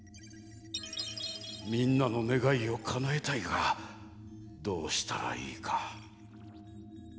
みんなのねがいをかなえたいがどうしたらいいか。